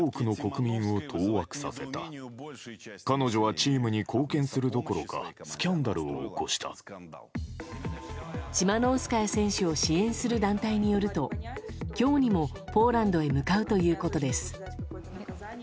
チマノウスカヤ選手を支援する団体によると今日にもポーランドへ向かうということです。